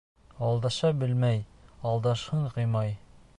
-Алдаша белмәй алдашаһың, Ғимай.